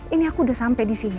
ini aku udah sampe disini